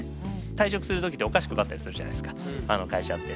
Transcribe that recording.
退職する時ってお菓子配ったりするじゃないですか会社って。